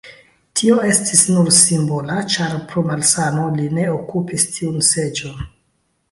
Tio estis nur simbola, ĉar pro malsano li ne okupis tiun seĝon.